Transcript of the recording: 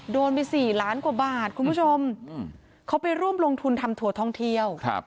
โดนไป๔ล้านกว่าบาทคุณผู้ชมเขาไปร่วมลงทุนทำถั่วท่องเที่ยว